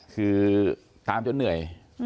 คือตามจนเหนื่อย